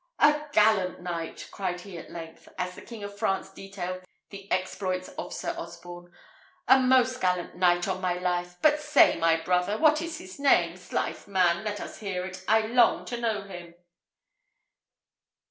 "A gallant knight!" cried he at length, as the King of France detailed the exploits of Sir Osborne; "a most gallant knight, on my life! But say, my brother, what is his name? 'Slife, man! let us hear it. I long to know him."